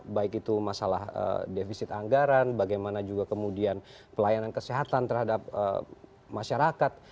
baik itu masalah defisit anggaran bagaimana juga kemudian pelayanan kesehatan terhadap masyarakat